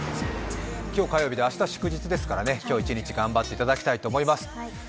明日は祝日ですから今日一日頑張っていただきたいと思います。